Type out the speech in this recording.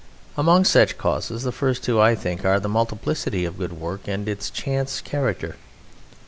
Among such causes the first two, I think, are the multiplicity of good work, and its chance character.